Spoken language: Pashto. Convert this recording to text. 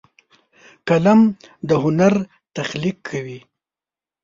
قلم د هنر تخلیق کوي